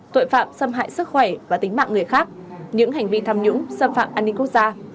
tội phạm xâm hại sức khỏe và tính mạng người khác những hành vi tham nhũng xâm phạm an ninh quốc gia